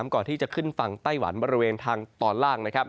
ก่อนที่จะขึ้นฝั่งไต้หวันบริเวณทางตอนล่าง